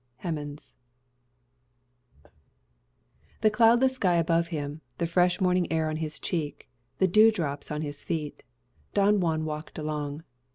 Hemans The cloudless sky above him, the fresh morning air on his cheek, the dew drops on his feet, Don Juan walked along.